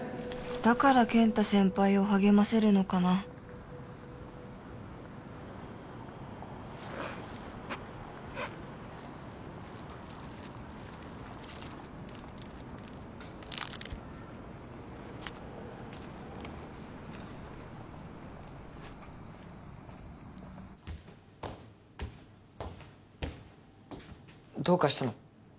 だから健太先輩を励ませるのかなどうかしたの？